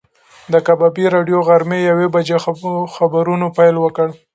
د کبابي راډیو د غرمې د یوې بجې په خبرونو پیل وکړ.